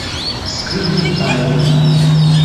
Skribu al ni.